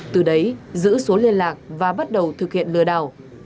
từ đấy giữ số liên lạc và bắt đầu thực hiện lừa đảo